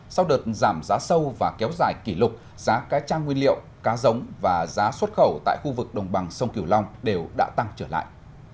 sau đợt giảm giá sâu và kéo dài kỷ lục giá cá cha nguyên liệu cá giống và giá xuất khẩu tại khu vực đồng bằng sông kiều long đều đã tăng trở lại